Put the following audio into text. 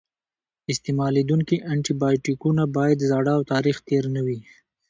استعمالیدونکي انټي بیوټیکونه باید زاړه او تاریخ تېر نه وي.